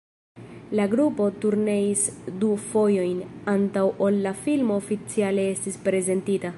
La grupo turneis du fojojn, antaŭ ol la filmo oficiale estis prezentita.